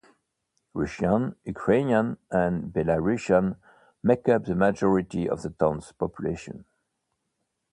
Russians, Ukrainians, and Belarusians make up the majority of the town's population.